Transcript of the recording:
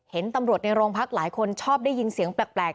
เห็นตำรวจในโรงพักหลายคนชอบได้ยินเสียงแปลก